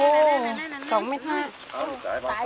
๒เมตรห้า